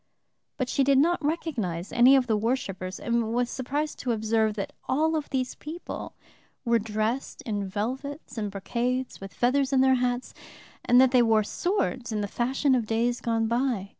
But she did not recognize any of the worshipers and was surprised to observe that all of these people were dressed in velvets and brocades, with feathers in their hats, and that they wore swords in the fashion of days gone by.